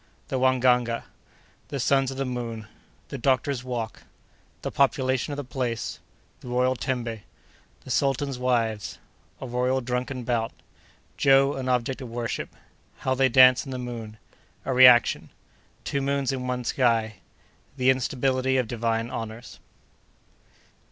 —The Wangaga.—The Sons of the Moon.—The Doctor's Walk.—The Population of the Place.—The Royal Tembe.—The Sultan's Wives.—A Royal Drunken Bout.—Joe an Object of Worship.—How they Dance in the Moon.—A Reaction.—Two Moons in one Sky.—The Instability of Divine Honors.